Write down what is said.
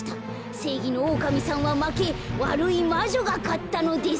せいぎのオオカミさんはまけわるいまじょがかったのです。